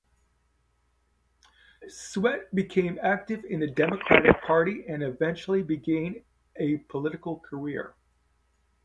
Swett became active in the Democratic Party and eventually began a political career.